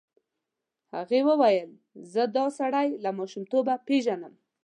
هغې وویل زه دا سړی له ماشومتوبه پېژنم.